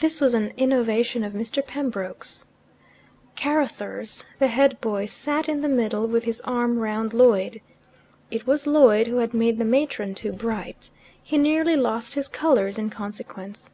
This was an innovation of Mr. Pembroke's. Carruthers, the head boy, sat in the middle, with his arm round Lloyd. It was Lloyd who had made the matron too bright: he nearly lost his colours in consequence.